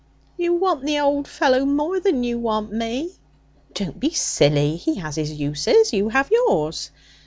'You want that old fellow more than you want me!' 'Don't be silly! He has his uses; you have yours.'